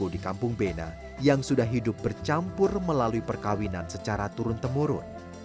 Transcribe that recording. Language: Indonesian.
di kampung bena yang sudah hidup bercampur melalui perkawinan secara turun temurun